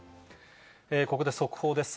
ここで速報です。